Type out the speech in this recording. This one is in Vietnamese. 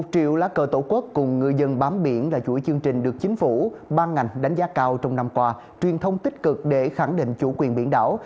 một triệu lá cờ tổ quốc cùng ngư dân bám biển là chuỗi chương trình được chính phủ ban ngành đánh giá cao trong năm qua truyền thông tích cực để khẳng định chủ quyền biển đảo